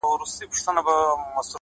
• دا به ټوله حاضریږي په میدان کي,